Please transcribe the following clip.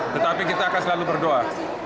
tetapi kita akan selalu berdoa